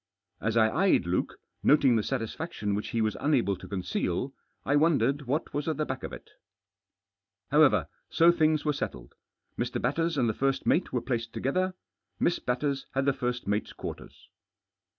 As I eyed Luke, noting the satisfaction which he was unable to conceal, I wondered what wgs at the back of it However, so things were settled. Mr. Hatters and the first mate were placed together. Mi§s Batters had the first mate's quarters.